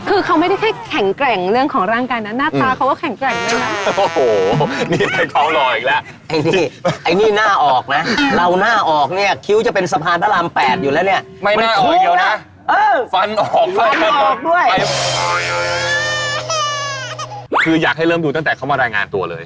อื้อคืออยากให้เริ่มดูตั้งแต่เข้ามารายงานตัวเลย